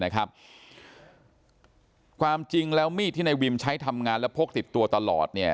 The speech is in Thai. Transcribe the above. ความจริงแล้วมีดที่ในวิมใช้ทำงานและพกติดตัวตลอด